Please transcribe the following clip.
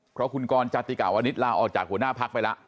เพราะคุณกรจติกาวนิตลาออกจากหัวหน้าพักไปแล้ว